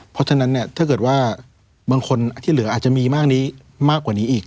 เพราะฉะนั้นเนี่ยถ้าเกิดว่าบางคนที่เหลืออาจจะมีมากนี้มากกว่านี้อีก